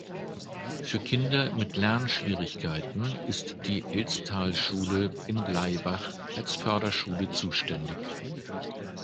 Für Kinder mit Lernschwierigkeiten ist die Elztal-Schule in Bleibach als Förderschule zuständig.